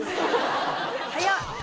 早っ！